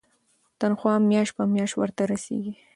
تنخوا میاشت په میاشت ورته رسیږي.